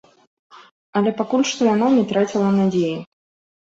Але пакуль што яна не траціла надзеі.